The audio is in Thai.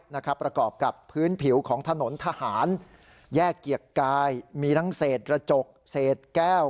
ประกอบกับพื้นผิวของถนนทหารแยกเกียรติกายมีทั้งเศษกระจกเศษแก้ว